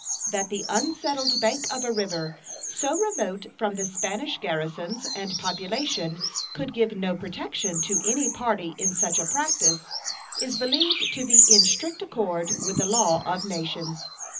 That the unsettled bank of a river so remote from the Spanish garrisons and population could give no protection to any party in such a practice is believed to be in strict accord with the law of nations.